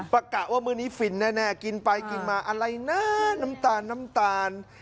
กะว่ามื้อนี้ฟินแน่กินไปกินมาอะไรนะน้ำตาลน้ำตาล